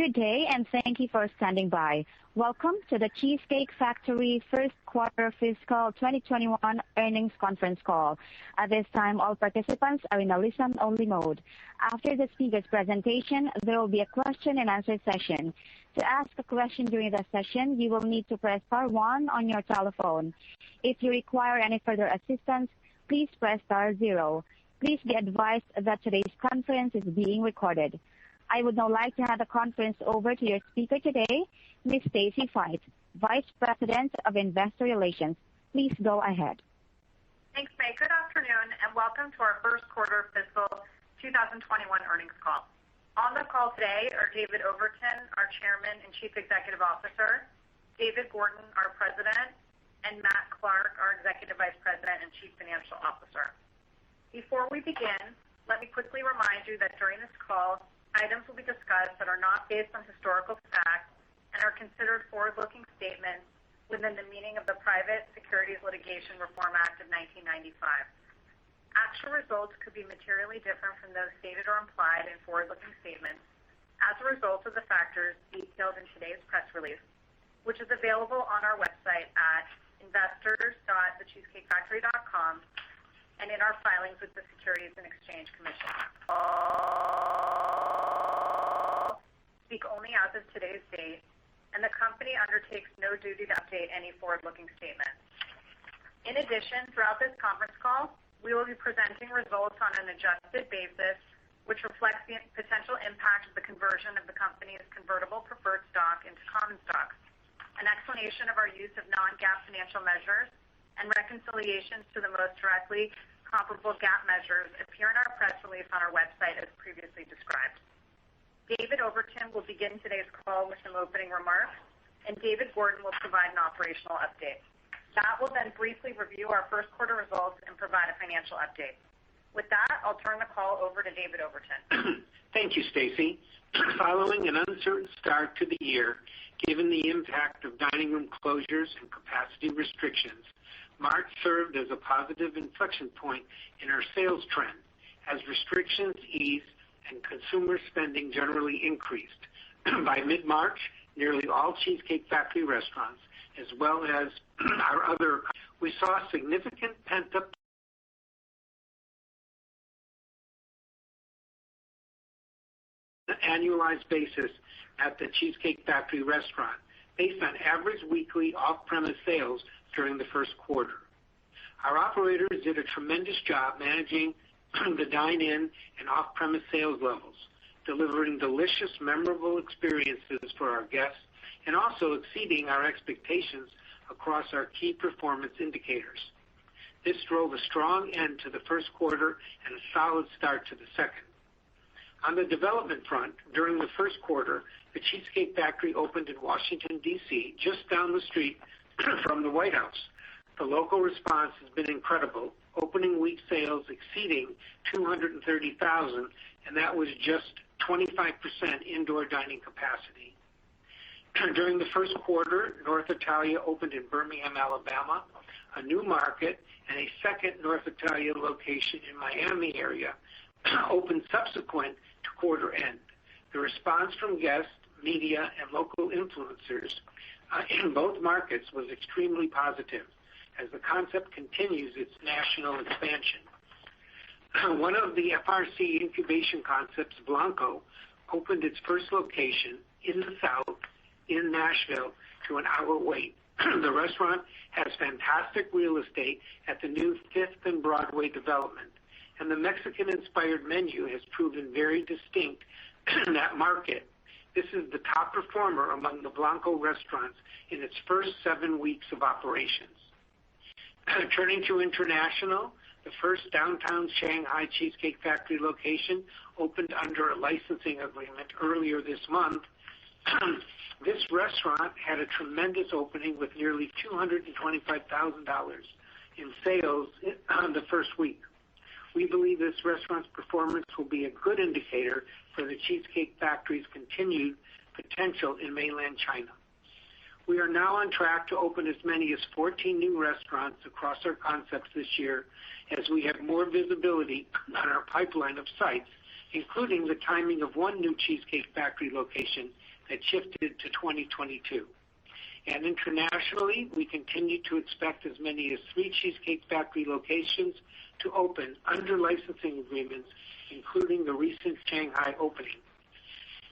Good day. Thank you for standing by. Welcome to The Cheesecake Factory first quarter fiscal 2021 earnings conference call. At this time, all participants are in a listen-only mode. After the speakers' presentation, there will be a question and answer session. To ask a question during that session, you will need to press star one on your telephone. If you require any further assistance, please press star zero. Please be advised that today's conference is being recorded. I would now like to hand the conference over to your speaker today, Ms. Stacy Feit, Vice President of Investor Relations. Please go ahead. Thanks, May. Good afternoon, Welcome to our first quarter fiscal 2021 earnings call. On the call today are David Overton, our Chairman and Chief Executive Officer, David Gordon, our President, and Matt Clark, our Executive Vice President and Chief Financial Officer. Before we begin, let me quickly remind you that during this call, items will be discussed that are not based on historical facts and are considered forward-looking statements within the meaning of the Private Securities Litigation Reform Act of 1995. Actual results could be materially different from those stated or implied in forward-looking statements as a result of the factors detailed in today's press release, which is available on our website at investors.thecheesecakefactory.com and in our filings with the Securities and Exchange Commission. Speak only as of today's date, the company undertakes no duty to update any forward-looking statements. In addition, throughout this conference call, we will be presenting results on an adjusted basis, which reflects the potential impact of the conversion of the company's convertible preferred stock into common stock. An explanation of our use of non-GAAP financial measures and reconciliations to the most directly comparable GAAP measures appear in our press release on our website, as previously described. David Overton will begin today's call with some opening remarks, and David Gordon will provide an operational update. Matt will then briefly review our first quarter results and provide a financial update. With that, I'll turn the call over to David Overton. Thank you, Stacy. Following an uncertain start to the year, given the impact of dining room closures and capacity restrictions, March served as a positive inflection point in our sales trend as restrictions eased and consumer spending generally increased. By mid-March, nearly all The Cheesecake Factory restaurants. We saw significant pent-up. An annualized basis at The Cheesecake Factory restaurant, based on average weekly off-premise sales during the first quarter. Our operators did a tremendous job managing the dine-in and off-premise sales levels, delivering delicious, memorable experiences for our guests and also exceeding our expectations across our key performance indicators. This drove a strong end to the first quarter and a solid start to the second. On the development front, during the first quarter, The Cheesecake Factory opened in Washington, D.C., just down the street from the White House. The local response has been incredible. Opening week sales exceeded $230,000, and that was just 25% indoor dining capacity. During the first quarter, North Italia opened in Birmingham, Alabama, a new market, and a second North Italia location in the Miami area opened subsequent to quarter end. The response from guests, media, and local influencers in both markets was extremely positive as the concept continues its national expansion. One of the FRC incubation concepts, Blanco, opened its first location in the South in Nashville to an hour wait. The restaurant has fantastic real estate at the new Fifth and Broadway development, and the Mexican-inspired menu has proven very distinct in that market. This is the top performer among the Blanco restaurants in its first seven weeks of operations. Turning to international, the first downtown Shanghai The Cheesecake Factory location opened under a licensing agreement earlier this month. This restaurant had a tremendous opening with nearly $225,000 in sales the first week. We believe this restaurant's performance will be a good indicator for The Cheesecake Factory's continued potential in mainland China. We are now on track to open as many as 14 new restaurants across our concepts this year as we have more visibility on our pipeline of sites, including the timing of one new Cheesecake Factory location that shifted to 2022. Internationally, we continue to expect as many as three Cheesecake Factory locations to open under licensing agreements, including the recent Shanghai opening.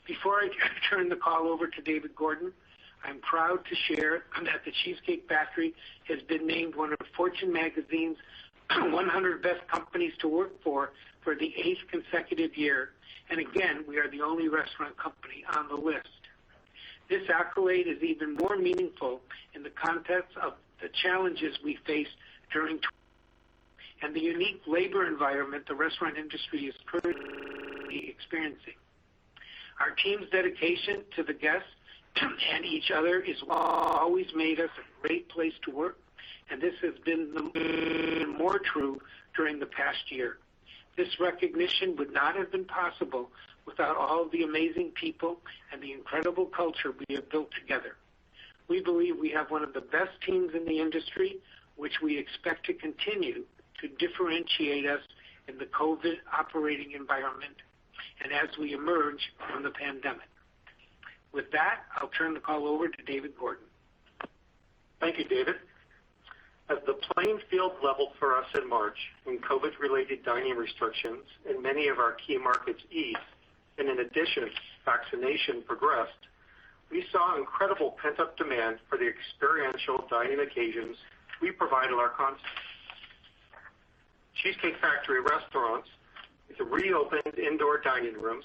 Before I turn the call over to David Gordon, I'm proud to share that The Cheesecake Factory has been named one of Fortune magazine's 100 Best Companies to Work For the eighth consecutive year. Again, we are the only restaurant company on the list. This accolade is even more meaningful in the context of the challenges we faced during and the unique labor environment the restaurant industry is currently experiencing. Our team's dedication to the guests and each other has always made us a great place to work, and this has been even more true during the past year. This recognition would not have been possible without all the amazing people and the incredible culture we have built together. We believe we have one of the best teams in the industry, which we expect to continue to differentiate us in the COVID operating environment and as we emerge from the pandemic. With that, I'll turn the call over to David Gordon. Thank you, David. As the playing field leveled for us in March when COVID related dining restrictions in many of our key markets eased, in addition, as vaccination progressed, we saw incredible pent-up demand for the experiential dining occasions we provide our concepts. The Cheesecake Factory restaurants with reopened indoor dining rooms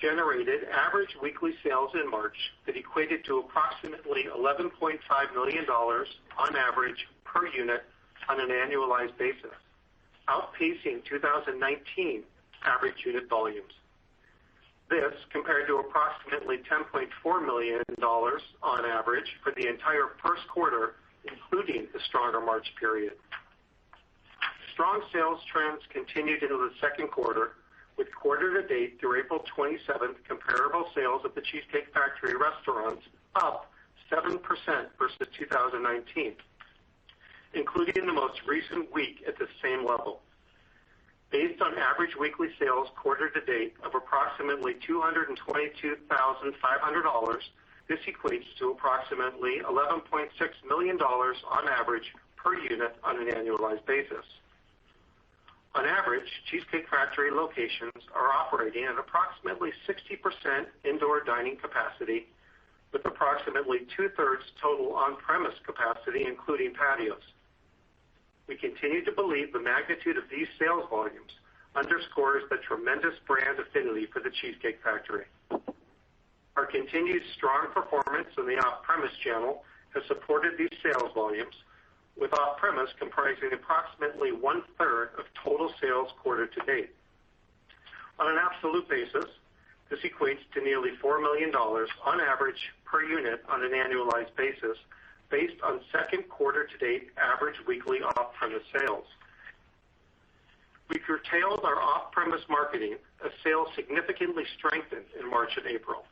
generated average weekly sales in March that equated to approximately $11.5 million on average per unit on an annualized basis, outpacing 2019 average unit volumes. This compared to approximately $10.4 million on average for the entire first quarter, including the stronger March period. Strong sales trends continued into the second quarter, with quarter to date through April 27th, comparable sales at The Cheesecake Factory restaurants up 7% versus 2019, including in the most recent week at the same level. Based on average weekly sales quarter to date of approximately $222,500, this equates to approximately $11.6 million on average per unit on an annualized basis. On average, The Cheesecake Factory locations are operating at approximately 60% indoor dining capacity with approximately two-thirds total on-premise capacity, including patios. We continue to believe the magnitude of these sales volumes underscores the tremendous brand affinity for The Cheesecake Factory. Our continued strong performance in the off-premise channel has supported these sales volumes, with off-premise comprising approximately one-third of total sales quarter to date. On an absolute basis, this equates to nearly $4 million on average per unit on an annualized basis, based on second quarter to date average weekly off-premise sales. We curtailed our off-premise marketing as sales significantly strengthened in March and April.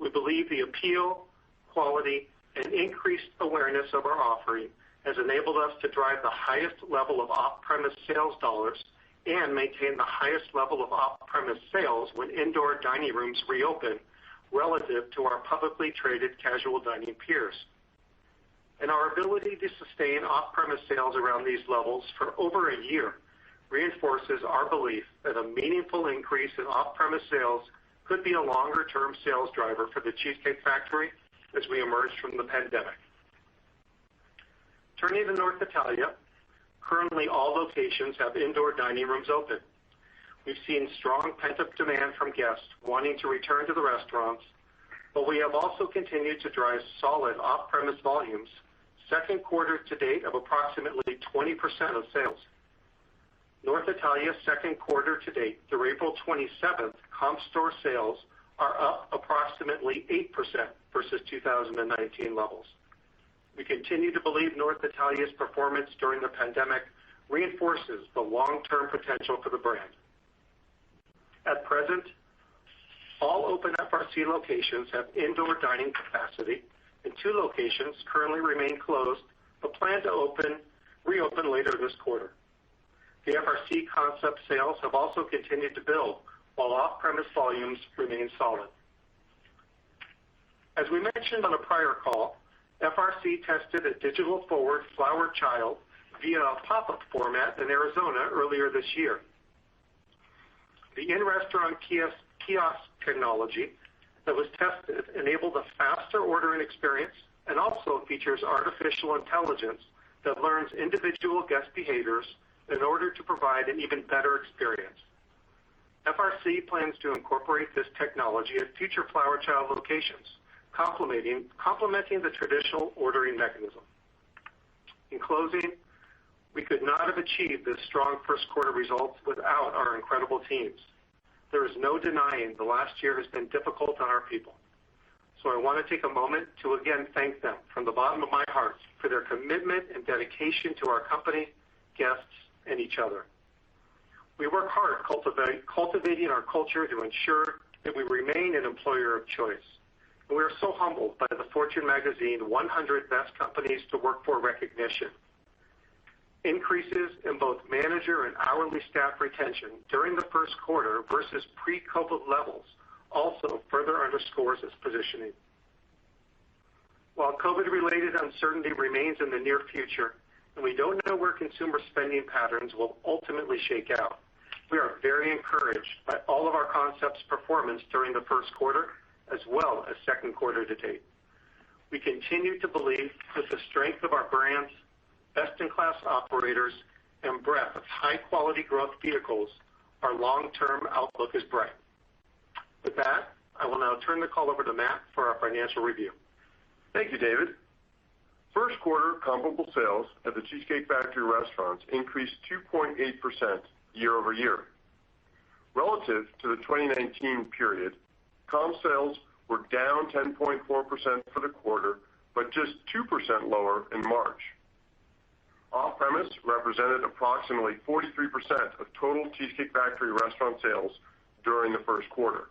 We believe the appeal, quality, and increased awareness of our offering has enabled us to drive the highest level of off-premise sales dollars and maintain the highest level of off-premise sales when indoor dining rooms reopen relative to our publicly traded casual dining peers. Our ability to sustain off-premise sales around these levels for over a year reinforces our belief that a meaningful increase in off-premise sales could be a longer-term sales driver for The Cheesecake Factory as we emerge from the pandemic. Turning to North Italia. Currently, all locations have indoor dining rooms open. We've seen strong pent-up demand from guests wanting to return to the restaurants, but we have also continued to drive solid off-premise volumes, second quarter to date of approximately 20% of sales. North Italia second quarter to date through April 27th, comp store sales are up approximately 8% versus 2019 levels. We continue to believe North Italia's performance during the pandemic reinforces the long-term potential for the brand. At present, all open FRC locations have indoor dining capacity, and two locations currently remain closed, but plan to reopen later this quarter. The FRC concept sales have also continued to build, while off-premise volumes remain solid. As we mentioned on a prior call, FRC tested a digital forward Flower Child via a pop-up format in Arizona earlier this year. The in-restaurant kiosk technology that was tested enabled a faster ordering experience and also features artificial intelligence that learns individual guest behaviors in order to provide an even better experience. FRC plans to incorporate this technology at future Flower Child locations, complementing the traditional ordering mechanism. In closing, we could not have achieved this strong first quarter results without our incredible teams. There is no denying the last year has been difficult on our people, so I want to take a moment to again thank them from the bottom of my heart for their commitment and dedication to our company, guests, and each other. We work hard cultivating our culture to ensure that we remain an employer of choice, and we are so humbled by the Fortune magazine 100 Best Companies to Work For recognition. Increases in both manager and hourly staff retention during the first quarter versus pre-COVID-19 levels also further underscores this positioning. While COVID-19-related uncertainty remains in the near future, and we don't know where consumer spending patterns will ultimately shake out, we are very encouraged by all of our concepts' performance during the first quarter as well as second quarter to date. We continue to believe that the strength of our brands, best-in-class operators, and breadth of high-quality growth vehicles, our long-term outlook is bright. With that, I will now turn the call over to Matt for our financial review. Thank you, David. First quarter comparable sales at The Cheesecake Factory restaurants increased 2.8% year-over-year. Relative to the 2019 period, comp sales were down 10.4% for the quarter, but just 2% lower in March. Off-premise represented approximately 43% of total Cheesecake Factory restaurant sales during the first quarter.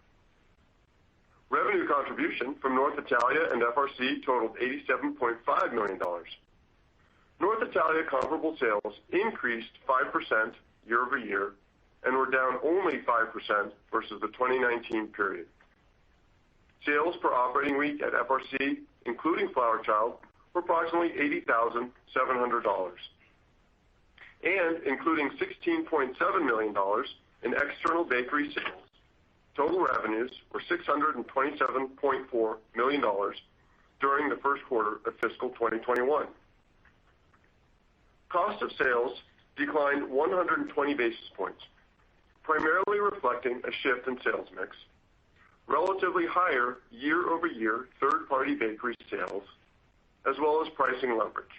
Revenue contribution from North Italia and FRC totaled $87.5 million. North Italia comparable sales increased 5% year-over-year and were down only 5% versus the 2019 period. Sales per operating week at FRC, including Flower Child, were approximately $80,700. Including $16.7 million in external bakery sales, total revenues were $627.4 million during the first quarter of fiscal 2021. Cost of sales declined 120 basis points, primarily reflecting a shift in sales mix, relatively higher year-over-year third-party bakery sales, as well as pricing leverage.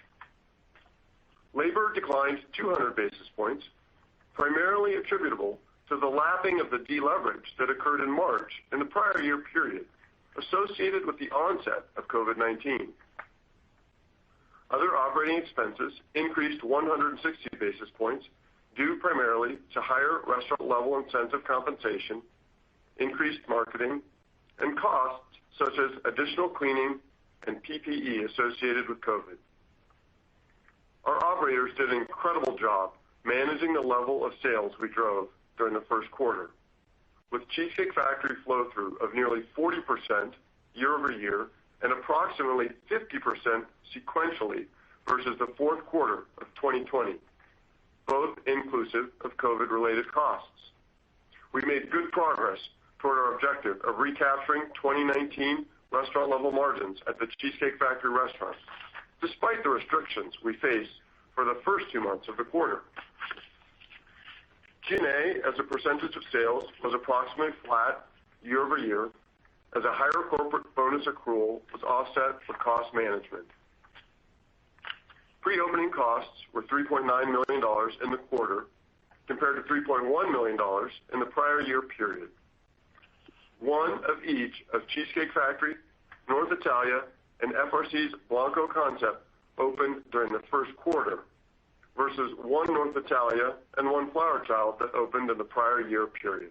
Labor declined 200 basis points, primarily attributable to the lapping of the deleverage that occurred in March in the prior year period associated with the onset of COVID-19. Other operating expenses increased 160 basis points due primarily to higher restaurant level incentive compensation, increased marketing, and costs such as additional cleaning and PPE associated with COVID. Our operators did an incredible job managing the level of sales we drove during the first quarter. With The Cheesecake Factory flow-through of nearly 40% year-over-year and approximately 50% sequentially versus the fourth quarter of 2020, both inclusive of COVID-related costs. We made good progress toward our objective of recapturing 2019 restaurant-level margins at The Cheesecake Factory restaurants, despite the restrictions we faced for the first two months of the quarter. G&A as a percentage of sales was approximately flat year-over-year, as a higher corporate bonus accrual was offset for cost management. Pre-opening costs were $3.9 million in the quarter, compared to $3.1 million in the prior year period. One of each of The Cheesecake Factory, North Italia, and FRC's Blanco concept opened during the first quarter, versus one North Italia and one Flower Child that opened in the prior year period.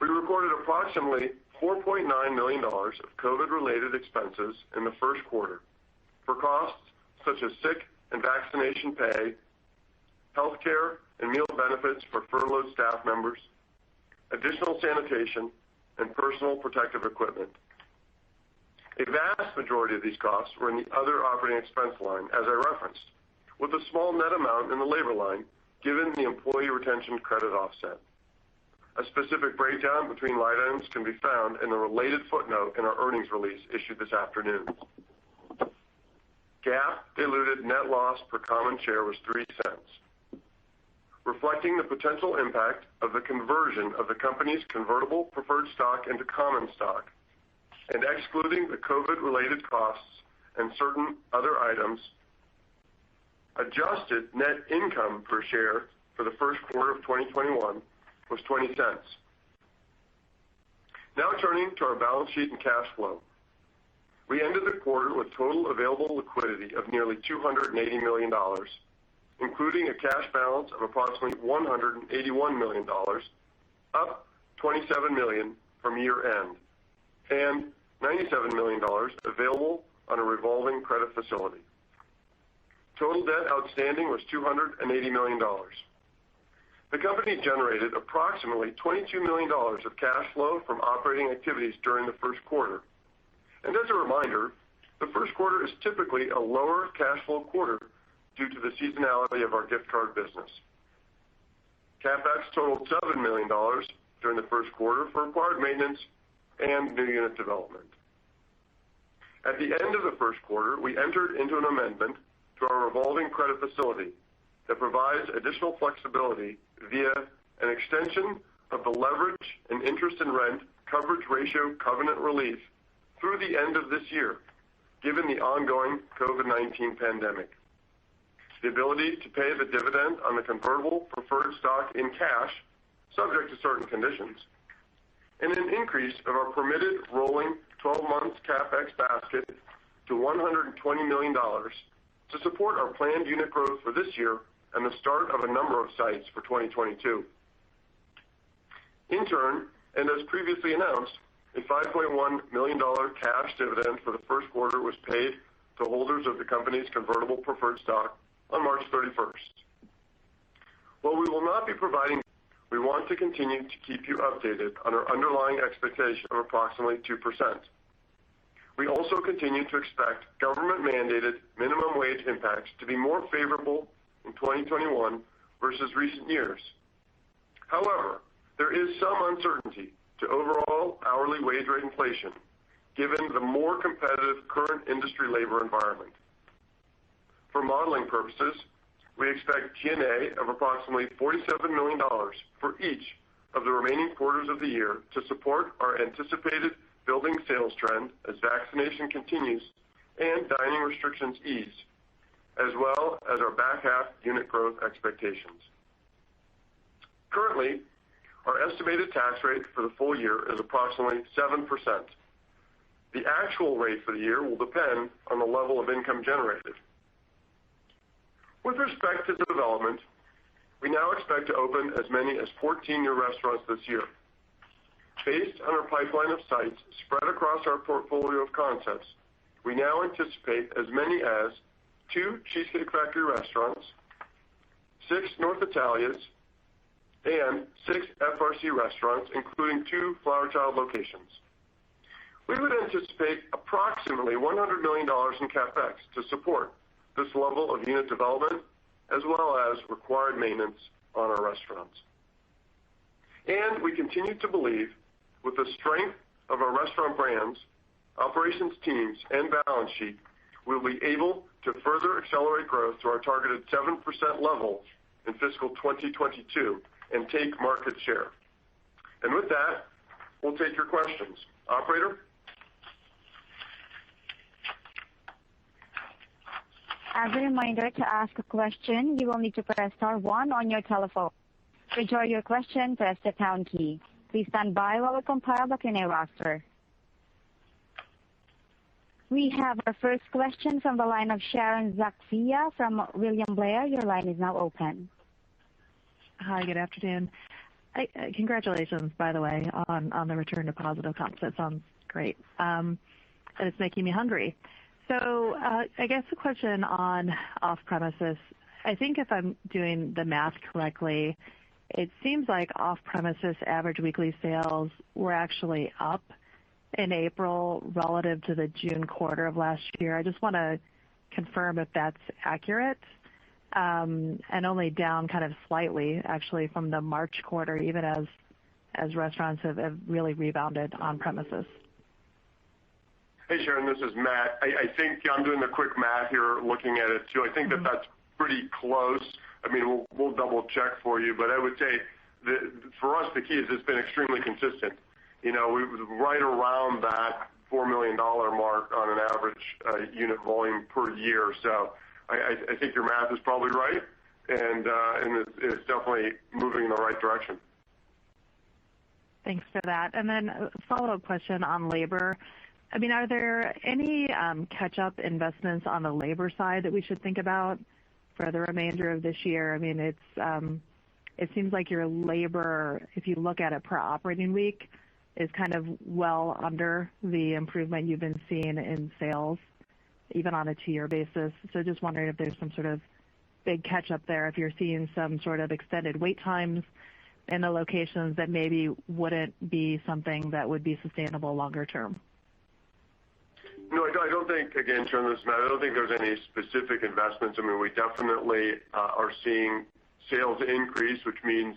We recorded approximately $4.9 million of COVID-related expenses in the first quarter for costs such as sick and vaccination pay, healthcare, and meal benefits for furloughed staff members, additional sanitation, and personal protective equipment. A vast majority of these costs were in the other operating expense line, as I referenced, with a small net amount in the labor line, given the Employee Retention Credit offset. A specific breakdown between line items can be found in the related footnote in our earnings release issued this afternoon. GAAP diluted net loss per common share was $0.03. Reflecting the potential impact of the conversion of the company's convertible preferred stock into common stock, and excluding the COVID-related costs and certain other items, adjusted net income per share for the first quarter of 2021 was $0.20. Turning to our balance sheet and cash flow. We ended the quarter with total available liquidity of nearly $280 million, including a cash balance of approximately $181 million, up $27 million from year-end, and $97 million available on a revolving credit facility. Total debt outstanding was $280 million. The company generated approximately $22 million of cash flow from operating activities during the first quarter. As a reminder, the first quarter is typically a lower cash flow quarter due to the seasonality of our gift card business. CapEx totaled $7 million during the first quarter for required maintenance and new unit development. At the end of the first quarter, we entered into an amendment to our revolving credit facility that provides additional flexibility via an extension of the leverage and interest and rent coverage ratio covenant relief through the end of this year, given the ongoing COVID-19 pandemic. The ability to pay the dividend on the convertible preferred stock in cash, subject to certain conditions, and an increase of our permitted rolling 12-months CapEx basket to $120 million to support our planned unit growth for this year and the start of a number of sites for 2022. In turn, as previously announced, a $5.1 million cash dividend for the first quarter was paid to holders of the company's convertible preferred stock on March 31st. We want to continue to keep you updated on our underlying expectation of approximately 2%. We also continue to expect government-mandated minimum wage impacts to be more favorable in 2021 versus recent years. There is some uncertainty to overall hourly wage rate inflation, given the more competitive current industry labor environment. For modeling purposes, we expect G&A of approximately $47 million for each of the remaining quarters of the year to support our anticipated building sales trend as vaccination continues and dining restrictions ease, as well as our back half unit growth expectations. Currently, our estimated tax rate for the full year is approximately 7%. The actual rate for the year will depend on the level of income generated. With respect to development, we now expect to open as many as 14 new restaurants this year. Based on our pipeline of sites spread across our portfolio of concepts, we now anticipate as many as two The Cheesecake Factory restaurants, six North Italias, and six FRC restaurants, including two Flower Child locations. We would anticipate approximately $100 million in CapEx to support this level of unit development as well as required maintenance on our restaurants. We continue to believe with the strength of our restaurant brands, operations teams, and balance sheet, we'll be able to further accelerate growth to our targeted 7% level in fiscal 2022 and take market share. With that, we'll take your questions. Operator? As a reminder, to ask a question, you only need to press star one on your telephone. To join your question press the pound key. Please stand by while we compile the questions. We have our first question from the line of Sharon Zackfia from William Blair. Your line is now open. Hi, good afternoon. Congratulations, by the way, on the return to positive comps. That sounds great. It's making me hungry. I guess a question on off-premises. I think if I'm doing the math correctly, it seems like off-premises average weekly sales were actually up in April relative to the June quarter of last year. I just want to confirm if that's accurate, and only down kind of slightly, actually, from the March quarter, even as restaurants have really rebounded on premises. Hey, Sharon. This is Matt. I'm doing the quick math here, looking at it too. I think that that's pretty close. We'll double-check for you. I would say that for us, the key is it's been extremely consistent. We were right around that $4 million mark on an average unit volume per year. I think your math is probably right, and it's definitely moving in the right direction. Thanks for that. Then a follow-up question on labor. Are there any catch-up investments on the labor side that we should think about for the remainder of this year? It seems like your labor, if you look at it per operating week, is kind of well under the improvement you've been seeing in sales, even on a two-year basis. Just wondering if there's some sort of big catch-up there, if you're seeing some sort of extended wait times in the locations that maybe wouldn't be something that would be sustainable longer term. No, again, Sharon, this is Matt. I don't think there's any specific investments. We definitely are seeing sales increase, which means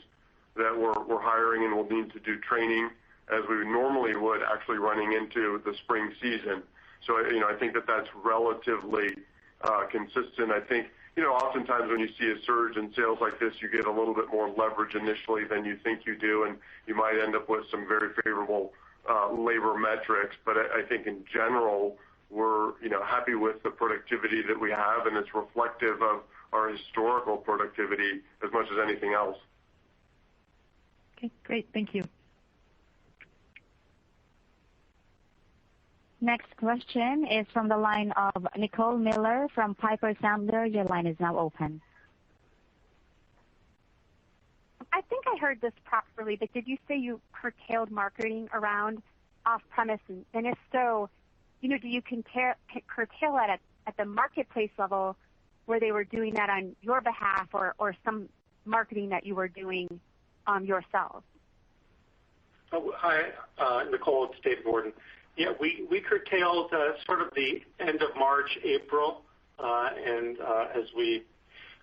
that we're hiring and we'll need to do training as we normally would actually running into the spring season. I think that that's relatively consistent. I think, oftentimes when you see a surge in sales like this, you get a little bit more leverage initially than you think you do, and you might end up with some very favorable labor metrics. I think in general, we're happy with the productivity that we have, and it's reflective of our historical productivity as much as anything else. Okay, great. Thank you. Next question is from the line of Nicole Miller from Piper Sandler. Your line is now open. I think I heard this properly, did you say you curtailed marketing around off-premise? If so, do you curtail it at the marketplace level where they were doing that on your behalf or some marketing that you were doing yourselves? Oh, hi, Nicole. It's David Gordon. We curtailed sort of the end of March, April. As we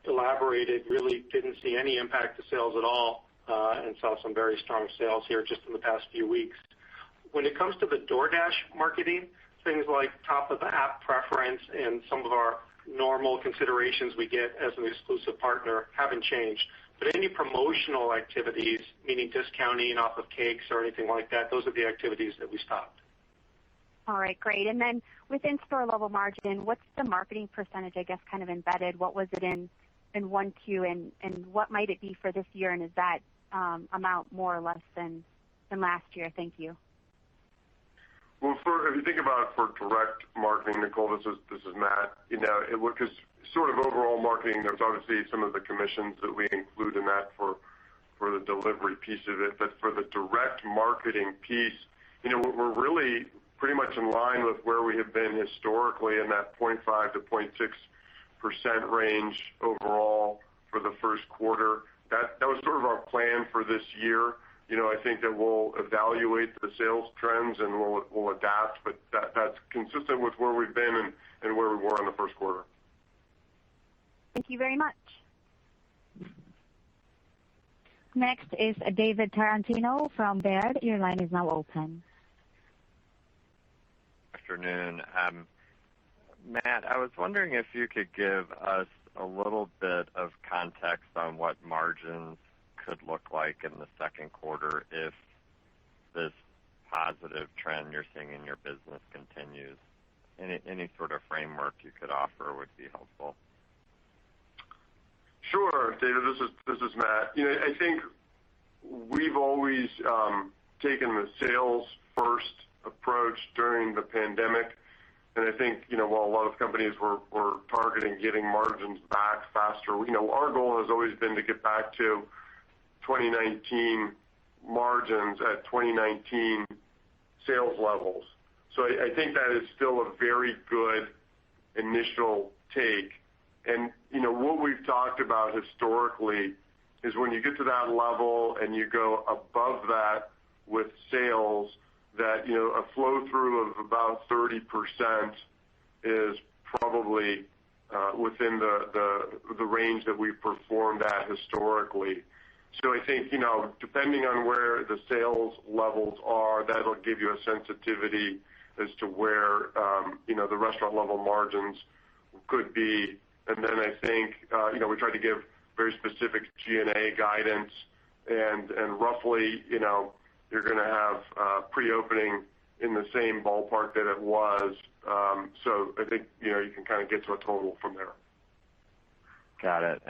elaborated, really didn't see any impact to sales at all, and saw some very strong sales here just in the past few weeks. When it comes to the DoorDash marketing, things like top of the app preference and some of our normal considerations we get as an exclusive partner haven't changed. Any promotional activities, meaning discounting off of cakes or anything like that, those are the activities that we stopped. All right, great. Within store level margin, what's the marketing percentage, I guess, kind of embedded? What was it in 1Q? What might it be for this year? Is that amount more or less than last year? Thank you. Well, if you think about it for direct marketing, Nicole, this is Matt. Sort of overall marketing, there's obviously some of the commissions that we include in that for the delivery piece of it. For the direct marketing piece, we're really pretty much in line with where we have been historically in that 0.5%-0.6% range overall for the first quarter. That was sort of our plan for this year. I think that we'll evaluate the sales trends and we'll adapt, but that's consistent with where we've been and where we were in the first quarter. Thank you very much. Next is David Tarantino from Baird. Your line is now open. Good afternoon. Matt, I was wondering if you could give us a little bit of context on what margins could look like in the second quarter if this positive trend you're seeing in your business continues. Any sort of framework you could offer would be helpful. Sure, David, this is Matt. I think we've always taken the sales first approach during the pandemic, and I think while a lot of companies were targeting getting margins back faster, our goal has always been to get back to 2019 margins at 2019 sales levels. I think that is still a very good initial take. What we've talked about historically is when you get to that level and you go above that with sales that a flow-through of about 30% is probably within the range that we've performed at historically. I think, depending on where the sales levels are, that'll give you a sensitivity as to where the restaurant level margins could be. Then I think we try to give very specific G&A guidance and roughly, you're going to have pre-opening in the same ballpark that it was. I think you can get to a total from there. Got it.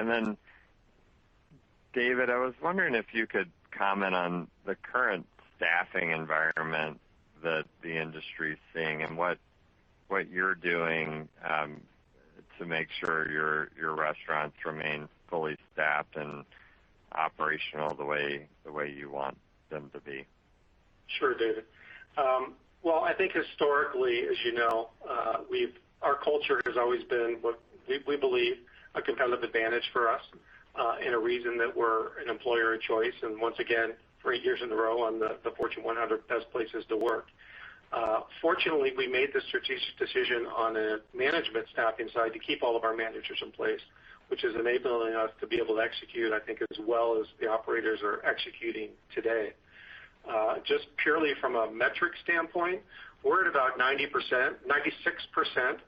David, I was wondering if you could comment on the current staffing environment that the industry is seeing and what you're doing to make sure your restaurants remain fully staffed and operational the way you want them to be. David. Well, I think historically, as you know, our culture has always been what we believe a competitive advantage for us, and a reason that we're an employer of choice, and once again, three years in a row on the Fortune 100 Best Places to Work. Fortunately, we made the strategic decision on the management staffing side to keep all of our managers in place, which is enabling us to be able to execute, I think, as well as the operators are executing today. Just purely from a metric standpoint, we're at about 96%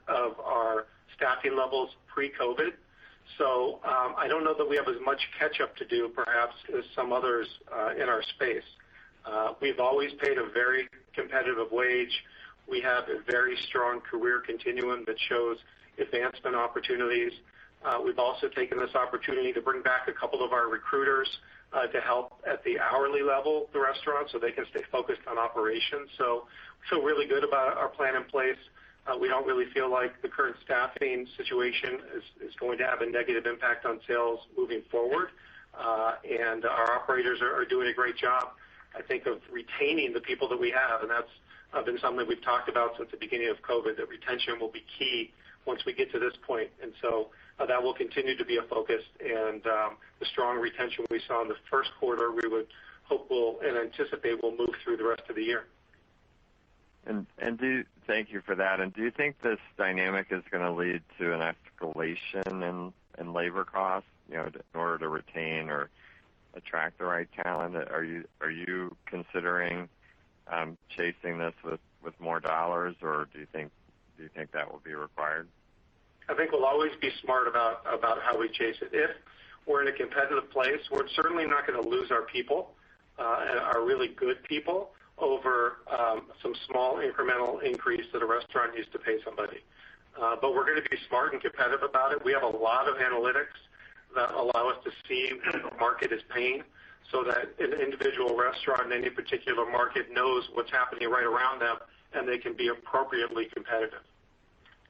of our staffing levels pre-COVID-19. I don't know that we have as much catch-up to do perhaps as some others in our space. We've always paid a very competitive wage. We have a very strong career continuum that shows advancement opportunities. We've also taken this opportunity to bring back a couple of our recruiters to help at the hourly level of the restaurant so they can stay focused on operations. We feel really good about our plan in place. We don't really feel like the current staffing situation is going to have a negative impact on sales moving forward. Our operators are doing a great job, I think, of retaining the people that we have, and that's been something we've talked about since the beginning of COVID-19, that retention will be key once we get to this point. That will continue to be a focus and the strong retention we saw in the first quarter, we would hope will and anticipate will move through the rest of the year. Thank you for that. Do you think this dynamic is going to lead to an escalation in labor costs in order to retain or attract the right talent? Are you considering chasing this with more dollars, or do you think that will be required? I think we'll always be smart about how we chase it. If we're in a competitive place, we're certainly not going to lose our people, our really good people, over some small incremental increase that a restaurant needs to pay somebody. We're going to be smart and competitive about it. We have a lot of analytics that allow us to see what the market is paying so that an individual restaurant in any particular market knows what's happening right around them, and they can be appropriately competitive.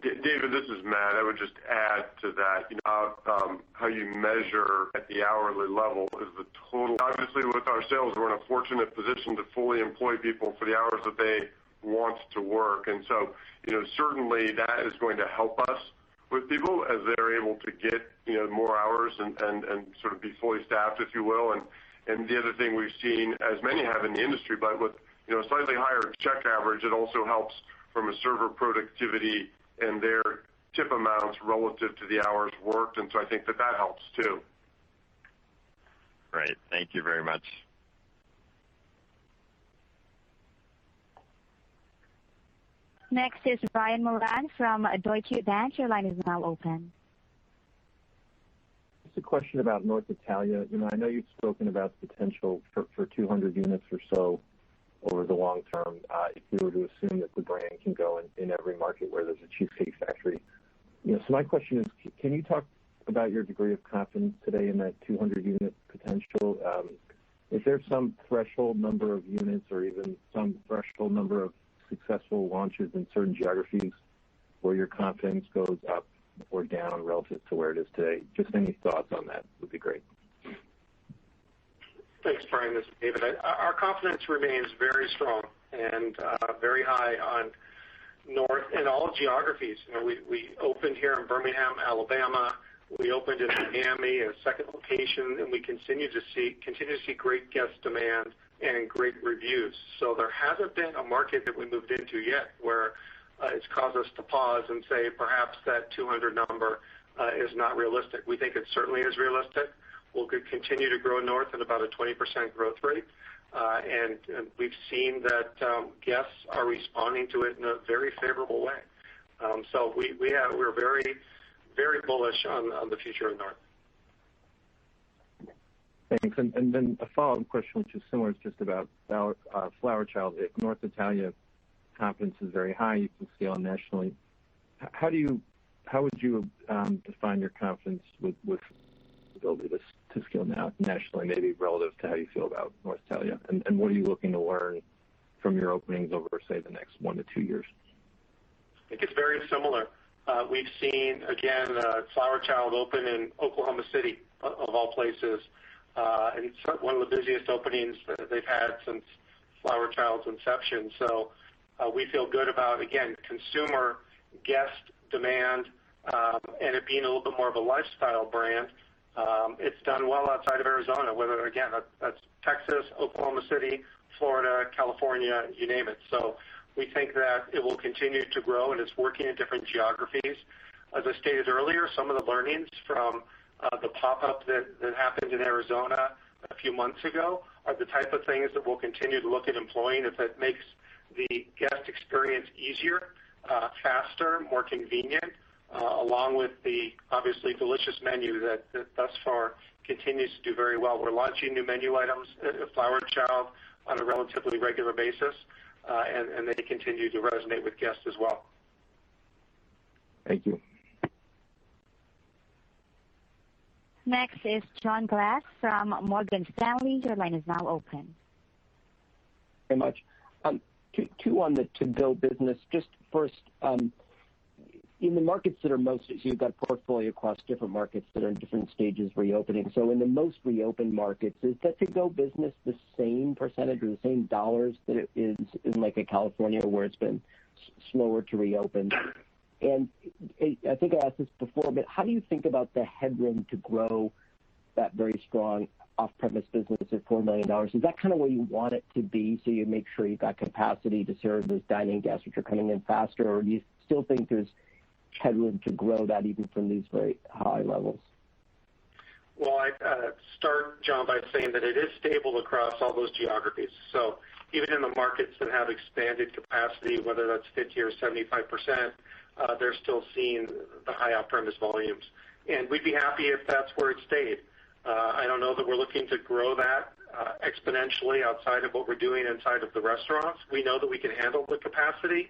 David, this is Matt. I would just add to that, how you measure at the hourly level is the total. Obviously, with our sales, we're in a fortunate position to fully employ people for the hours that they want to work. Certainly that is going to help us with people as they're able to get more hours and sort of be fully staffed, if you will. The other thing we've seen as many have in the industry, but with a slightly higher check average, it also helps from a server productivity and their tip amounts relative to the hours worked. I think that that helps too. Great. Thank you very much. Next is Brian Mullan from Deutsche Bank. Your line is now open. Just a question about North Italia. I know you've spoken about the potential for 200 units or so over the long term, if we were to assume that the brand can go in every market where there's a Cheesecake Factory. My question is: can you talk about your degree of confidence today in that 200 unit potential? Is there some threshold number of units or even some threshold number of successful launches in certain geographies where your confidence goes up or down relative to where it is today? Just any thoughts on that would be great. Thanks, Brian. This is David. Our confidence remains very strong and very high on North and all geographies. We opened here in Birmingham, Alabama. We opened in Miami, a second location, and we continue to see great guest demand and great reviews. There hasn't been a market that we moved into yet where it's caused us to pause and say perhaps that 200 number is not realistic. We think it certainly is realistic. We could continue to grow North at about a 20% growth rate. We've seen that guests are responding to it in a very favorable way. We're very bullish on the future of North. Thanks. A follow-up question, which is similar, is just about Flower Child. If North Italia confidence is very high, you can scale nationally. How would you define your confidence with ability to scale nationally, maybe relative to how you feel about North Italia? What are you looking to learn from your openings over, say, the next one to two years? I think it's very similar. We've seen, again, Flower Child open in Oklahoma City of all places, and it's one of the busiest openings that they've had since Flower Child's inception. We feel good about, again, consumer guest demand, and it being a little bit more of a lifestyle brand. It's done well outside of Arizona, whether, again, that's Texas, Oklahoma City, Florida, California, you name it. We think that it will continue to grow, and it's working in different geographies. As I stated earlier, some of the learnings from the pop-up that happened in Arizona a few months ago are the type of things that we'll continue to look at employing if it makes the guest experience easier, faster, more convenient, along with the obviously delicious menu that thus far continues to do very well. We're launching new menu items at Flower Child on a relatively regular basis, and they continue to resonate with guests as well. Thank you. Next is John Glass from Morgan Stanley. Your line is now open. Very much. Two on the to-go business. Just first, in the markets that are most, as you've got portfolio across different markets that are in different stages of reopening. In the most reopened markets, is that to-go business the same percentage or the same dollars that it is in like a California where it's been slower to reopen? I think I asked this before, but how do you think about the headroom to grow that very strong off-premise business of $4 million? Is that kind of where you want it to be so you make sure you've got capacity to serve those dine-in guests which are coming in faster, or do you still think there's headroom to grow that even from these very high levels? I'd start, John, by saying that it is stable across all those geographies. Even in the markets that have expanded capacity, whether that's 50% or 75%, they're still seeing the high off-premise volumes. We'd be happy if that's where it stayed. I don't know that we're looking to grow that exponentially outside of what we're doing inside of the restaurants. We know that we can handle the capacity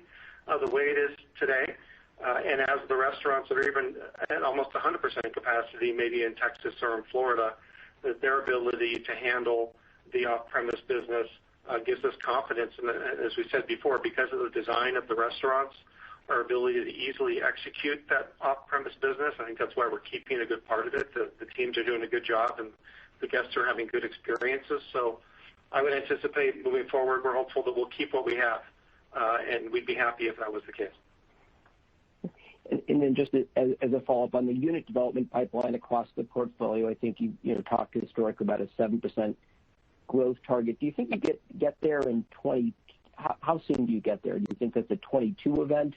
the way it is today. As the restaurants that are even at almost 100% capacity, maybe in Texas or in Florida, that their ability to handle the off-premise business gives us confidence. As we said before, because of the design of the restaurants, our ability to easily execute that off-premise business, I think that's why we're keeping a good part of it. The teams are doing a good job, and the guests are having good experiences. I would anticipate moving forward, we're hopeful that we'll keep what we have, and we'd be happy if that was the case. Just as a follow-up on the unit development pipeline across the portfolio, I think you talked historically about a 7% growth target. How soon do you get there? Do you think that's a 2022 event?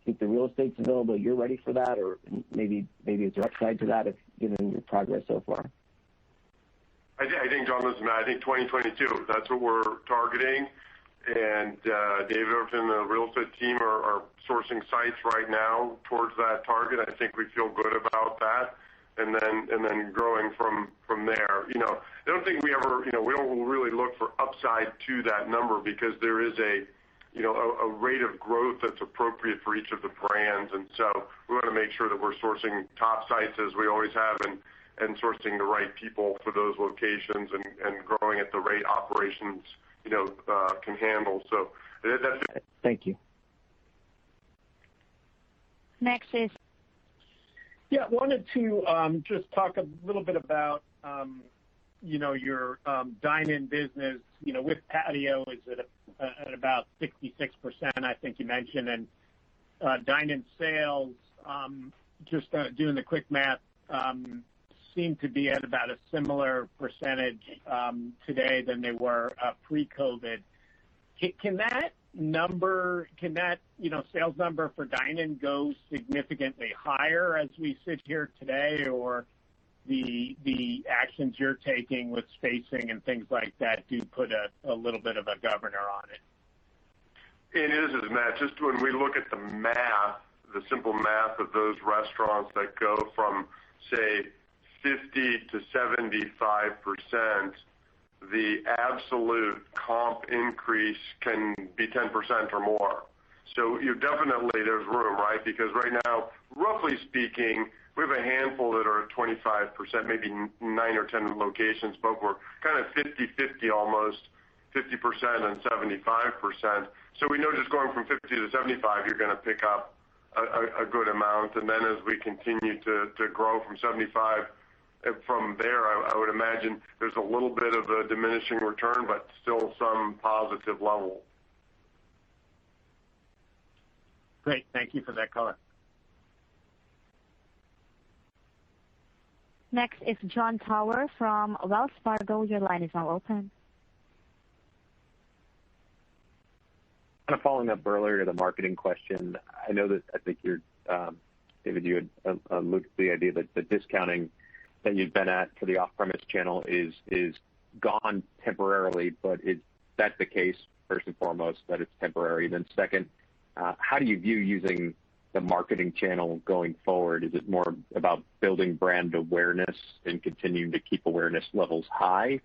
You think the real estate's available, you're ready for that? Maybe a direct side to that, given your progress so far. I think, John, listen, I think 2022, that's what we're targeting. David Overton and the real estate team are sourcing sites right now towards that target. I think we feel good about that. Growing from there. I don't think we ever will really look for upside to that number because there is a rate of growth that's appropriate for each of the brands. We want to make sure that we're sourcing top sites as we always have and sourcing the right people for those locations and growing at the rate operations can handle. So that's it. Thank you. Next is. Yeah, wanted to just talk a little bit about your dine-in business. With patio is at about 66%, I think you mentioned, and dine-in sales, just doing the quick math, seem to be at about a similar percentage today than they were pre-COVID. Can that sales number for dine-in go significantly higher as we sit here today, or the actions you're taking with spacing and things like that do put a little bit of a governor on it? It is, Matt. Just when we look at the math, the simple math of those restaurants that go from, say, 50%-75%, the absolute comp increase can be 10% or more. Definitely there's room, right? Because right now, roughly speaking, we have a handful that are at 25%, maybe nine or 10 locations, but we're kind of 50/50 almost, 50% and 75%. We know just going from 50 to 75, you're going to pick up a good amount. As we continue to grow from 75 from there, I would imagine there's a little bit of a diminishing return, but still some positive level. Great. Thank you for that color. Next is Jon Tower from Wells Fargo. Your line is now open. Kind of following up earlier to the marketing question. I know that David, you had alluded to the idea that the discounting that you've been at for the off-premise channel is gone temporarily, but that's the case first and foremost, that it's temporary. Second, how do you view using the marketing channel going forward? Is it more about building brand awareness and continuing to keep awareness levels high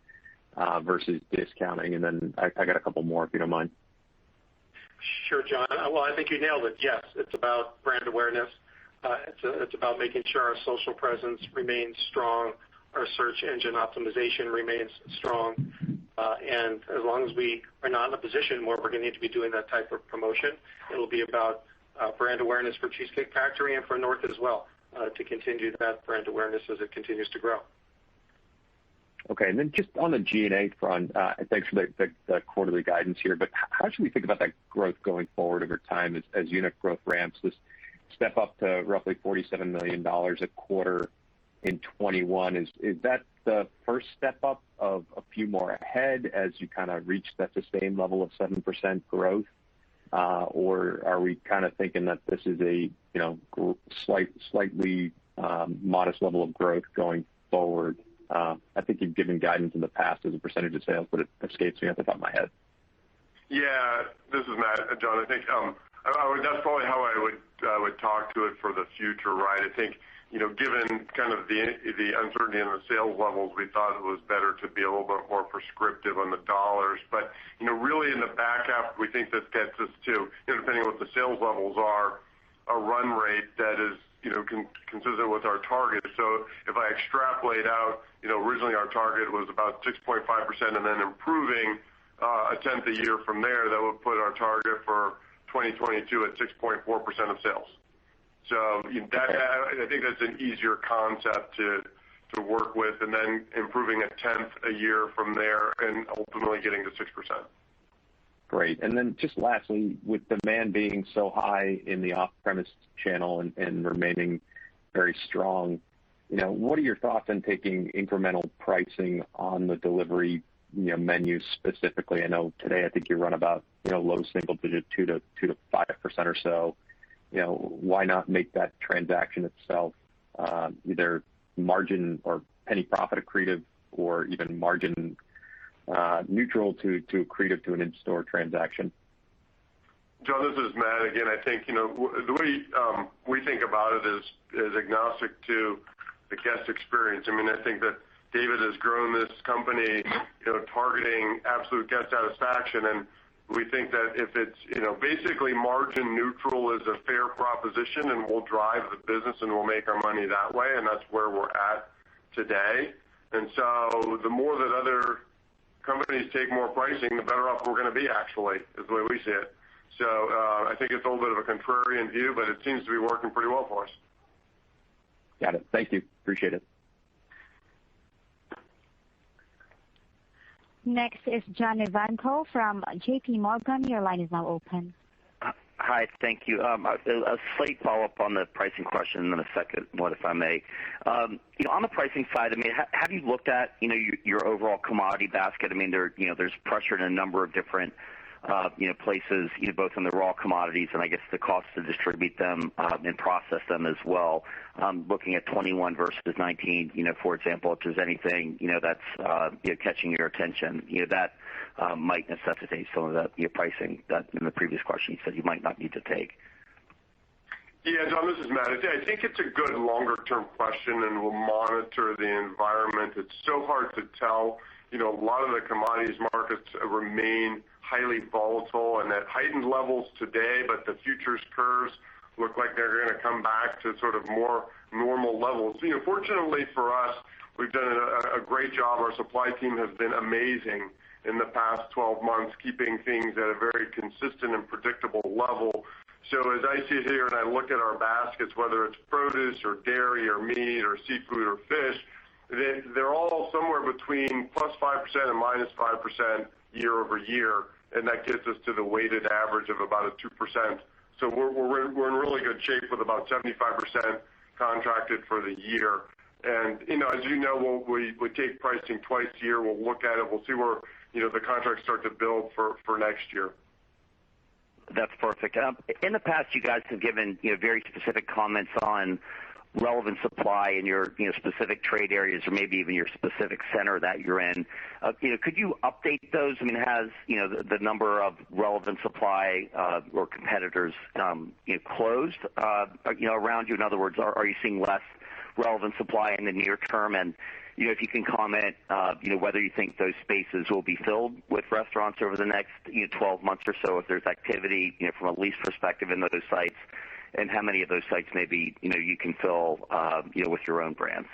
versus discounting? I got a couple more, if you don't mind. Sure, Jon. Well, I think you nailed it. Yes, it's about brand awareness. It's about making sure our social presence remains strong, our search engine optimization remains strong, and as long as we are not in a position where we're going to need to be doing that type of promotion, it'll be about brand awareness for The Cheesecake Factory and for North Italia as well, to continue that brand awareness as it continues to grow. Okay. Just on the G&A front, thanks for the quarterly guidance here, how should we think about that growth going forward over time as unit growth ramps this step up to roughly $47 million a quarter in 2021? Is that the first step up of a few more ahead as you reach that sustained level of 7% growth? Are we thinking that this is a slightly modest level of growth going forward? I think you've given guidance in the past as a percentage of sales, but it escapes me off the top of my head. Yeah. This is Matt Clark. Jon, I think that's probably how I would talk to it for the future, right? I think, given kind of the uncertainty in the sales levels, we thought it was better to be a little bit more prescriptive on the dollars. Really in the back half, we think this gets us to, depending on what the sales levels are, a run rate that is consistent with our target. If I extrapolate out, originally, our target was about 6.5%, and then improving a tenth a year from there, that would put our target for 2022 at 6.4% of sales. I think that's an easier concept to work with, and then improving a tenth a year from there and ultimately getting to 6%. Great. Just lastly, with demand being so high in the off-premise channel and remaining very strong, what are your thoughts on taking incremental pricing on the delivery menu specifically? I know today I think you run about low single-digit 2%-5% or so. Why not make that transaction itself either margin or penny profit accretive or even margin neutral to accretive to an in-store transaction? Jon, this is Matt again. I think the way we think about it is agnostic to the guest experience. I think that David has grown this company targeting absolute guest satisfaction, and we think that if it's basically margin neutral is a fair proposition, and we'll drive the business and we'll make our money that way, and that's where we're at today. The more that other companies take more pricing, the better off we're going to be actually, is the way we see it. I think it's a little bit of a contrarian view, but it seems to be working pretty well for us. Got it. Thank you. Appreciate it. Next is John Ivankoe from JPMorgan. Your line is now open. Hi, thank you. A slight follow-up on the pricing question and then a second one, if I may. On the pricing side, have you looked at your overall commodity basket? There's pressure in a number of different places, both on the raw commodities and I guess the cost to distribute them and process them as well. Looking at 2021 versus 2019, for example, if there's anything that's catching your attention that might necessitate some of the pricing that in the previous question you said you might not need to take. Yeah, John, this is Matt. I think it's a good longer-term question, and we'll monitor the environment. It's so hard to tell. A lot of the commodities markets remain highly volatile and at heightened levels today, but the futures curves look like they're going to come back to sort of more normal levels. Fortunately for us, we've done a great job. Our supply team has been amazing in the past 12 months, keeping things at a very consistent and predictable level. As I sit here and I look at our baskets, whether it's produce or dairy or meat or seafood or fish, they're all somewhere between +5% and -5% year-over-year, and that gets us to the weighted average of about a 2%. We're in really good shape with about 75% contracted for the year. As you know, we take pricing twice a year. We'll look at it, we'll see where the contracts start to build for next year. That's perfect. In the past, you guys have given very specific comments on relevant supply in your specific trade areas or maybe even your specific center that you're in. Could you update those? Has the number of relevant supply or competitors closed around you? In other words, are you seeing less relevant supply in the near term? If you can comment whether you think those spaces will be filled with restaurants over the next 12 months or so, if there's activity from a lease perspective in those sites, and how many of those sites maybe you can fill with your own brands.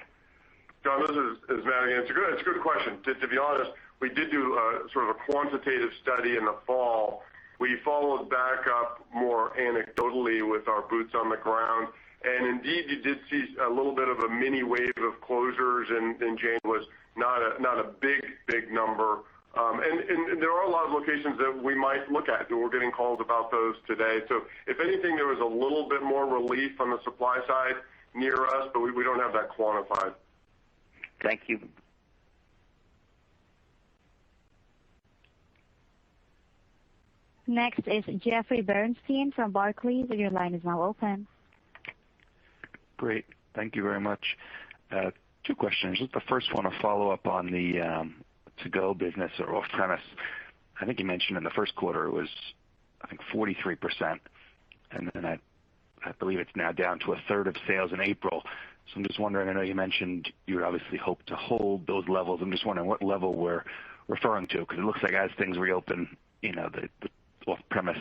John, this is Matt again. It's a good question. To be honest, we did do a sort of a quantitative study in the fall. We followed back up more anecdotally with our boots on the ground. Indeed, you did see a little bit of a mini wave of closures in January. Not a big number. There are a lot of locations that we might look at. We're getting calls about those today. If anything, there was a little bit more relief on the supply side near us, but we don't have that quantified. Thank you. Next is Jeffrey Bernstein from Barclays. Great. Thank you very much. Two questions. The first one, a follow-up on the to-go business or off-premise. I think you mentioned in the first quarter it was, I think, 43%, and then I believe it's now down to a third of sales in April. I'm just wondering, I know you mentioned you would obviously hope to hold those levels. I'm just wondering what level we're referring to because it looks like as things reopen, the off-premise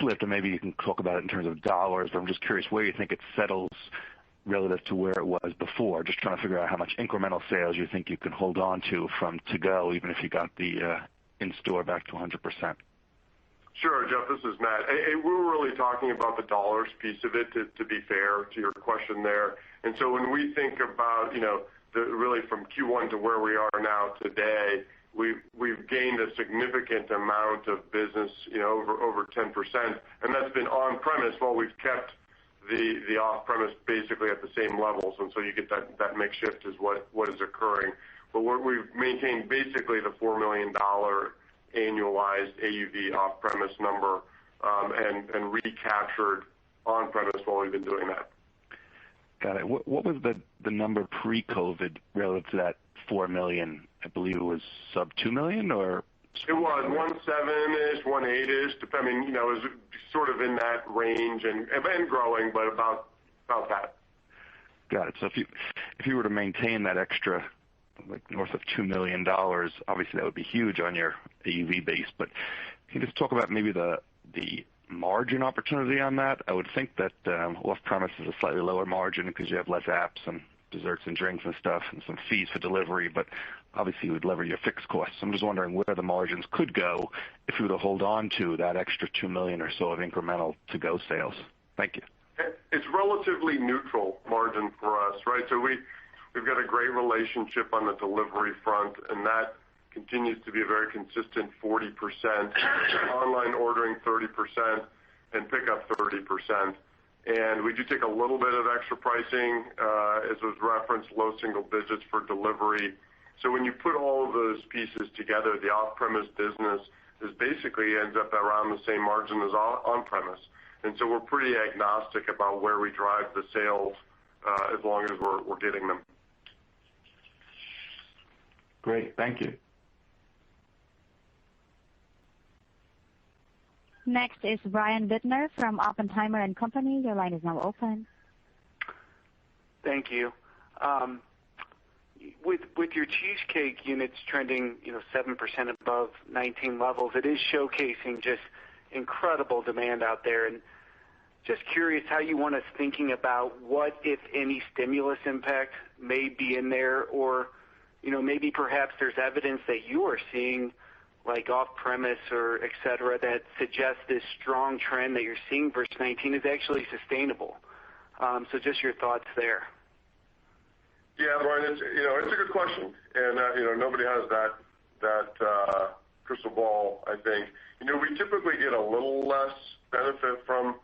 slipped, and maybe you can talk about it in terms of dollars. I'm just curious where you think it settles relative to where it was before. Just trying to figure out how much incremental sales you think you can hold on to from to-go, even if you got the in-store back to 100%. Sure. Jeff, this is Matt. We're really talking about the dollars piece of it, to be fair to your question there. When we think about really from Q1 to where we are now today, we've gained a significant amount of business, over 10%, and that's been on premise while we've kept the off-premise basically at the same levels. You get that mix shift is what is occurring. We've maintained basically the $4 million annualized AUV off-premise number, and recaptured on-premise while we've been doing that. Got it. What was the number pre-COVID relative to that $4 million? I believe it was sub $2 million, or? It was $1.7ish, $1.8ish, depending. It was in that range, and growing, but about that. Got it. If you were to maintain that extra north of $2 million, obviously that would be huge on your AUV base. Can you just talk about maybe the margin opportunity on that? I would think that off-premise is a slightly lower margin because you have less apps and desserts and drinks and stuff, and some fees for delivery, but obviously you would lever your fixed costs. I'm just wondering where the margins could go if you were to hold on to that extra $2 million or so of incremental to-go sales. Thank you. It's relatively neutral margin for us, right? We've got a great relationship on the delivery front, and that continues to be a very consistent 40%, online ordering 30%, and pickup 30%. We do take a little bit of extra pricing, as was referenced, low single digits for delivery. When you put all of those pieces together, the off-premise business basically ends up around the same margin as on-premise. We're pretty agnostic about where we drive the sales, as long as we're getting them. Great. Thank you. Next is Brian Bittner from Oppenheimer & Co. Your line is now open. Thank you. With your Cheesecake units trending 7% above 2019 levels, it is showcasing just incredible demand out there, and just curious how you want us thinking about what, if any, stimulus impact may be in there, or maybe perhaps there's evidence that you are seeing off-premise or et cetera, that suggests this strong trend that you're seeing versus 2019 is actually sustainable. Just your thoughts there. Brian, it's a good question. Nobody has that crystal ball, I think. We typically get a little less benefit from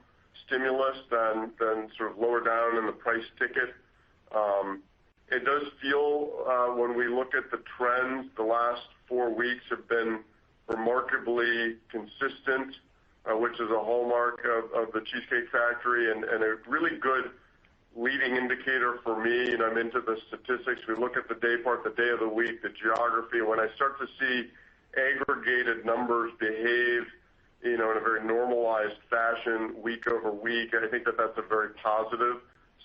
stimulus than lower down in the price ticket. It does feel, when we look at the trends, the last four weeks have been remarkably consistent, which is a hallmark of The Cheesecake Factory and a really good leading indicator for me. I'm into the statistics. We look at the day part, the day of the week, the geography. When I start to see aggregated numbers behave in a very normalized fashion week-over-week, I think that that's a very positive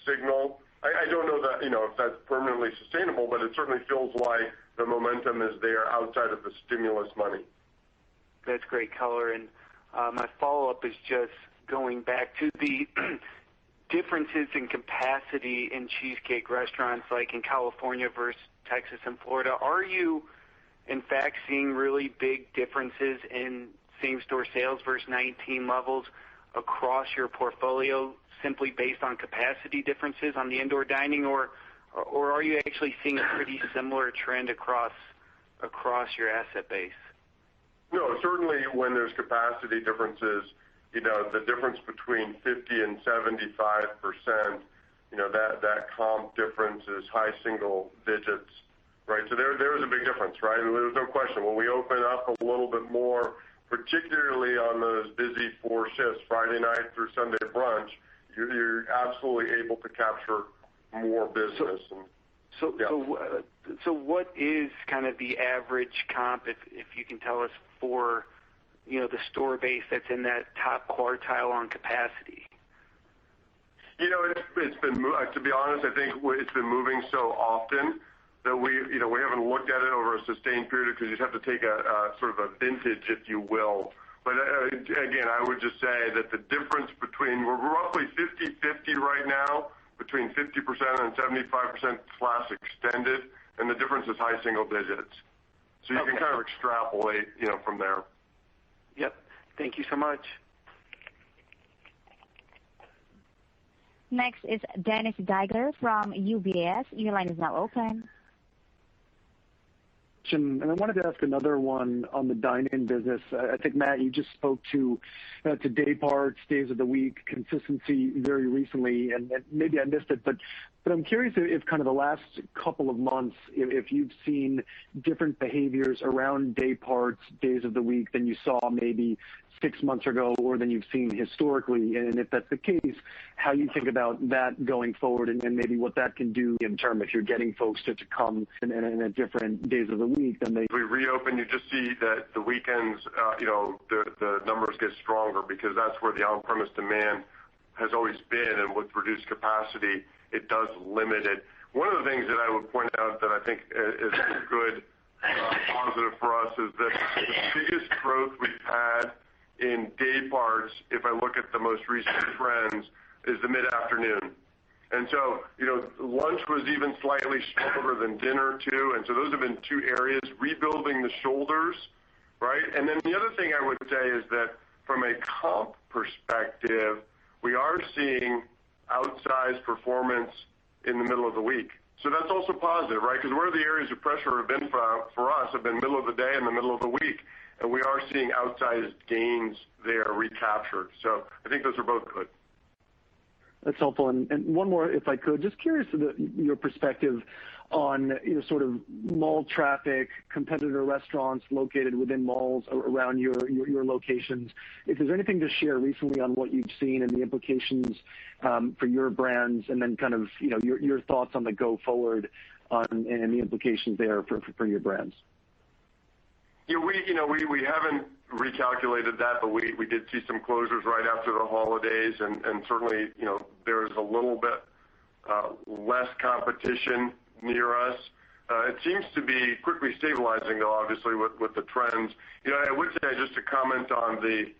signal. I don't know if that's permanently sustainable. It certainly feels like the momentum is there outside of the stimulus money. That's great color, and my follow-up is just going back to the differences in capacity in Cheesecake restaurants like in California versus Texas and Florida. Are you in fact seeing really big differences in same-store sales versus 2019 levels across your portfolio simply based on capacity differences on the indoor dining, or are you actually seeing a pretty similar trend across your asset base? No. Certainly, when there's capacity differences, the difference between 50% and 75%, that comp difference is high single digits, right? There is a big difference, right? There's no question. When we open up a little bit more, particularly on those busy four shifts, Friday night through Sunday brunch, you're absolutely able to capture more business. What is the average comp, if you can tell us, for the store base that's in that top quartile on capacity? To be honest, I think it's been moving so often that we haven't looked at it over a sustained period because you'd have to take a vintage, if you will. Again, I would just say that the difference between, we're roughly 50/50 right now, between 50% and 75% plus extended, and the difference is high single digits. Okay. You can kind of extrapolate from there. Yep. Thank you so much. Next is Dennis Geiger from UBS. I wanted to ask another one on the dine-in business. I think, Matt, you just spoke to day parts, days of the week, consistency very recently, and maybe I missed it, but I'm curious if kind of the last couple of months, if you've seen different behaviors around day parts, days of the week than you saw maybe six months ago, or than you've seen historically. If that's the case, how you think about that going forward and maybe what that can do in term if you're getting folks to come in at different days of the week. If we reopen, you just see that the weekends, the numbers get stronger because that's where the on-premise demand has always been. With reduced capacity, it does limit it. One of the things that I would point out that I think is a good positive for us is that the biggest growth we've had in day parts, if I look at the most recent trends, is the mid-afternoon. Lunch was even slightly stronger than dinner, too, and so those have been two areas. Rebuilding the shoulders, right? The other thing I would say is that from a comp perspective, we are seeing outsized performance in the middle of the week. That's also positive, right? Where the areas of pressure have been for us have been middle of the day and the middle of the week, and we are seeing outsized gains there recaptured. I think those are both good. That's helpful. One more, if I could. Just curious your perspective on sort of mall traffic, competitor restaurants located within malls around your locations. If there's anything to share recently on what you've seen and the implications for your brands and then kind of your thoughts on the go forward on any implications there for your brands. Yeah, we haven't recalculated that, but we did see some closures right after the holidays, and certainly there is a little bit less competition near us. It seems to be quickly stabilizing, though, obviously, with the trends. I would say, just to comment on the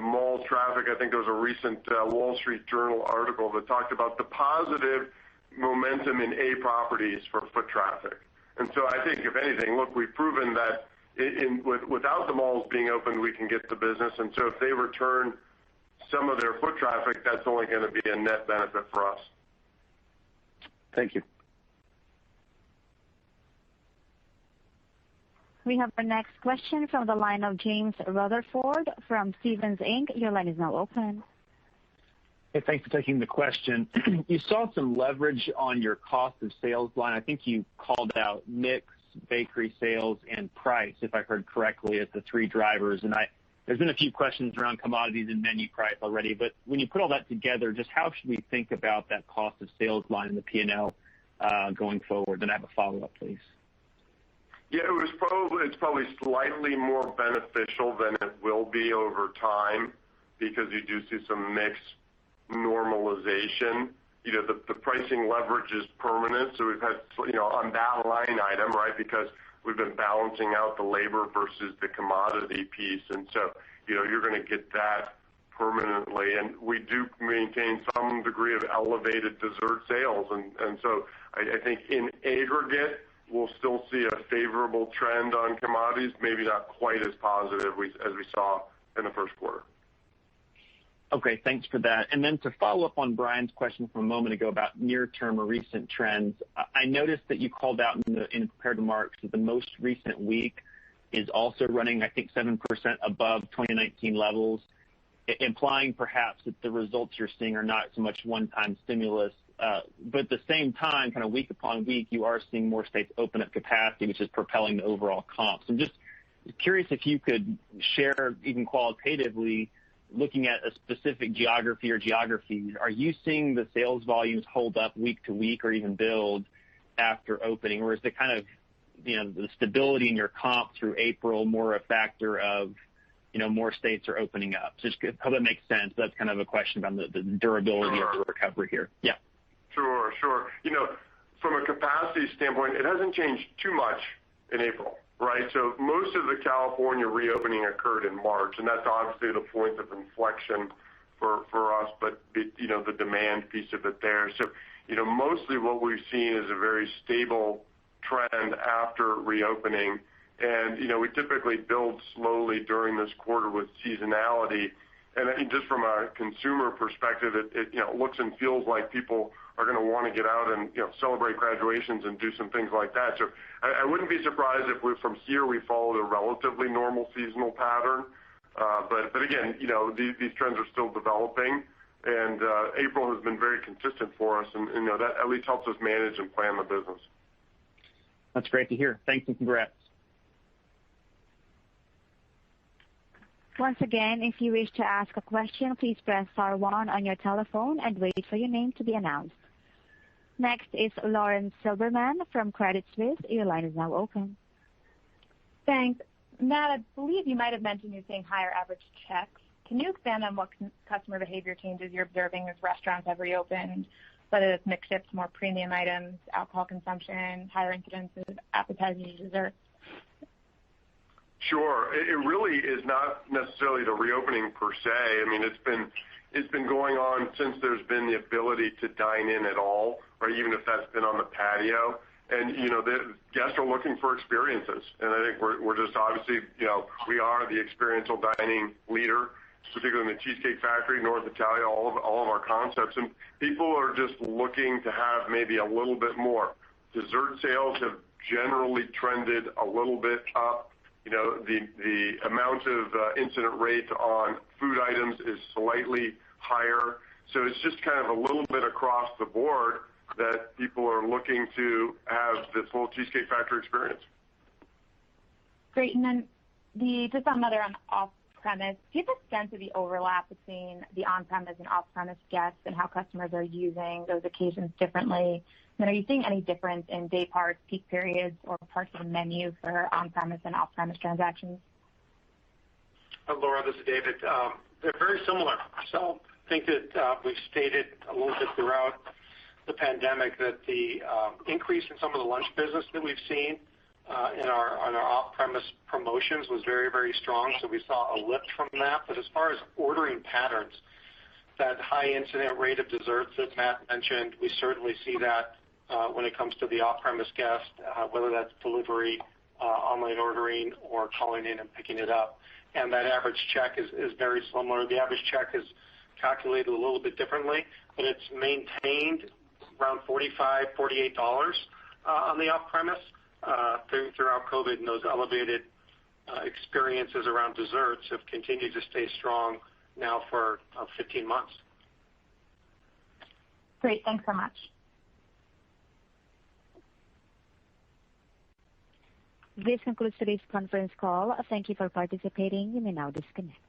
mall traffic, I think there was a recent Wall Street Journal article that talked about the positive momentum in A properties for foot traffic. I think if anything, look, we've proven that without the malls being open, we can get the business. If they return some of their foot traffic, that's only going to be a net benefit for us. Thank you. We have our next question from the line of James Rutherford from Stephens Inc. Your line is now open. Hey, thanks for taking the question. You saw some leverage on your cost of sales line. I think you called out mix, bakery sales, and price, if I heard correctly, as the three drivers. There's been a few questions around commodities and menu price already, but when you put all that together, just how should we think about that cost of sales line in the P&L going forward? I have a follow-up, please. Yeah, it's probably slightly more beneficial than it will be over time because you do see some mix normalization. The pricing leverage is permanent, so we've had on that line item, because we've been balancing out the labor versus the commodity piece. You're going to get that permanently. We do maintain some degree of elevated dessert sales. I think in aggregate, we'll still see a favorable trend on commodities, maybe not quite as positive as we saw in the first quarter. Okay. Thanks for that. To follow up on Brian's question from a moment ago about near-term or recent trends, I noticed that you called out and compared to March that the most recent week is also running, I think, 7% above 2019 levels, implying perhaps that the results you're seeing are not so much one-time stimulus. At the same time, kind of week upon week, you are seeing more states open up capacity, which is propelling the overall comps. I'm just curious if you could share, even qualitatively, looking at a specific geography or geographies, are you seeing the sales volumes hold up week to week or even build after opening? Is the stability in your comp through April more a factor of more states are opening up? Just hope that makes sense. That's kind of a question about the durability of the recovery here. Yeah. Sure. From a capacity standpoint, it hasn't changed too much in April, right? Most of the California reopening occurred in March, and that's obviously the point of inflection for us, but the demand piece of it there. Mostly what we've seen is a very stable trend after reopening, and we typically build slowly during this quarter with seasonality. I think just from a consumer perspective, it looks and feels like people are going to want to get out and celebrate graduations and do some things like that. I wouldn't be surprised if from here, we followed a relatively normal seasonal pattern. Again, these trends are still developing, and April has been very consistent for us, and that at least helps us manage and plan the business. That's great to hear. Thank you. Congrats. Once again, if you wish to ask a question, please press star one on your telephone and wait for your name to be announced. Next is Lauren Silberman from Credit Suisse. Your line is now open. Thanks. Matt, I believe you might have mentioned you're seeing higher average checks. Can you expand on what customer behavior changes you're observing as restaurants have reopened, whether it's mixed shifts, more premium items, alcohol consumption, higher incidences, appetizers, desserts? Sure. It really is not necessarily the reopening per se. It's been going on since there's been the ability to dine in at all, even if that's been on the patio. The guests are looking for experiences. I think we're just obviously, we are the experiential dining leader, particularly in The Cheesecake Factory, North Italia, all of our concepts. People are just looking to have maybe a little bit more. Dessert sales have generally trended a little bit up. The amount of incident rate on food items is slightly higher. It's just kind of a little bit across the board that people are looking to have this whole Cheesecake Factory experience. Great. Just another on off-premise. Do you have a sense of the overlap between the on-premise and off-premise guests and how customers are using those occasions differently? Are you seeing any difference in day parts, peak periods, or parts of the menu for on-premise and off-premise transactions? Lauren, this is David. They're very similar. I think that we've stated a little bit throughout the pandemic that the increase in some of the lunch business that we've seen on our off-premise promotions was very strong, we saw a lift from that. As far as ordering patterns, that high incident rate of desserts that Matt mentioned, we certainly see that when it comes to the off-premise guest, whether that's delivery, online ordering, or calling in and picking it up. That average check is very similar. The average check is calculated a little bit differently, it's maintained around $45, $48 on the off-premise throughout COVID, those elevated experiences around desserts have continued to stay strong now for 15 months. Great. Thanks so much. This concludes today's conference call. Thank you for participating. You may now disconnect.